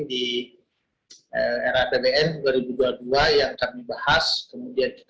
di era dpn dua ribu dua puluh dua yang kami bahas kemudian kita bisa membuat anggaran pembangunan ikn yang bisa terlaksana